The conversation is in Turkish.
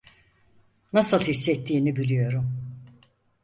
Nasıl hissettiğini biliyorum.